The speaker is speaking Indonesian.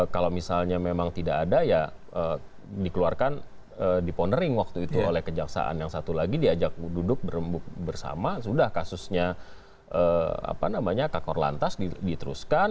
kalau misalnya memang tidak ada ya dikeluarkan di pondering waktu itu oleh kejaksaan yang satu lagi diajak duduk berembuk bersama sudah kasusnya kakor lantas diteruskan